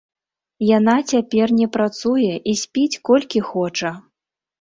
Яна цяпер не працуе і спіць колькі хоча.